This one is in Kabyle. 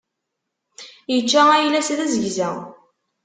Ičča ayla-s d azegza.